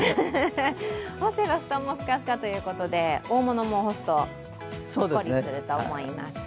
干せば布団もふかふかということで、大物も干すとほっこりすると思います。